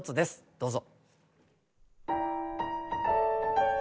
どうぞ。